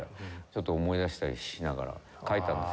ちょっと思い出したりしながら書いたんですけど。